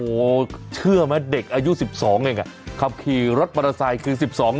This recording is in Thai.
โอ้โหเชื่อไหมเด็กอายุ๑๒เองอ่ะขับขี่รถมอเตอร์ไซค์คือสิบสอง